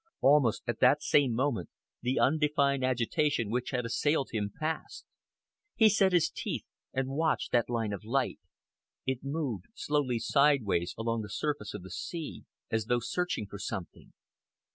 Almost at that same moment the undefined agitation which had assailed him passed. He set his teeth and watched that line of light. It moved slowly sideways along the surface of the sea, as though searching for something.